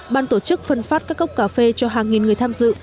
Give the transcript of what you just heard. ban tổ chức phân phát các cốc cà phê cho hàng nghìn người tham dự